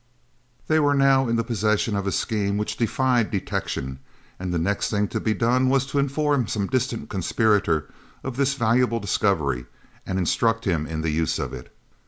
They were now in the possession of a scheme which defied detection, and the next thing to be done was to inform some distant conspirator of this valuable discovery and instruct him in the use of it.